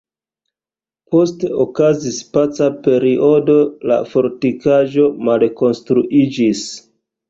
Poste okazis paca periodo, la fortikaĵo malkonstruiĝis.